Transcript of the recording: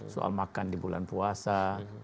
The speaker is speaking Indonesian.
soal makan di bulan puasa ya seperti itu ya